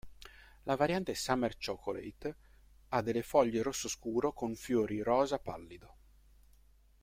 La variante "Summer Chocolate" ha delle foglie rosso scuro con fiori rosa pallido.